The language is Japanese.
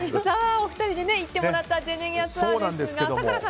お二人で行ってもらったジェネギャツアーですが咲楽さん